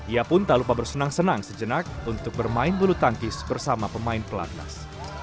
ia pun tak lupa bersenang senang sejenak untuk bermain bulu tangkis bersama pemain pelatnas